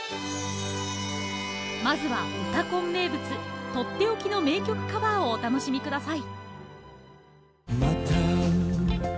まずは「うたコン」名物取って置きの名曲カバーをお楽しみ下さい。